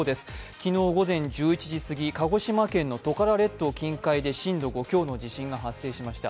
昨日午前１１時過ぎ鹿児島県トカラ列島近海で震度５強の地震が発生しました。